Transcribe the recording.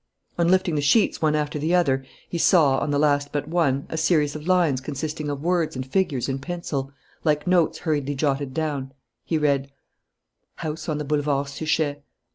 On lifting the sheets one after the other, he saw, on the last but one, a series of lines consisting of words and figures in pencil, like notes hurriedly jotted down. He read: "House on the Boulevard Suchet.